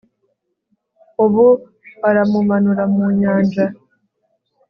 Ubu aramumanura mu nyanja